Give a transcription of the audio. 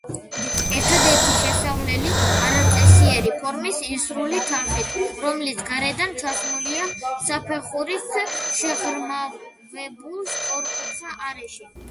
ერთადერთი შესასვლელი არაწესიერი ფორმის, ისრული თაღით, რომლიც გარედან ჩასმულია საფეხურით შეღრმავებულ, სწორკუთხა არეში.